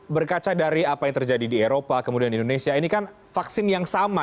berkaca dari apa yang terjadi di eropa kemudian di indonesia ini kan vaksin yang sama